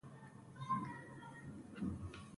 ولایتي سیسټم د والیانو لخوا رهبري او کنټرولیږي.